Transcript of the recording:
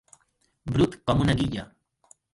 Brut com una guilla.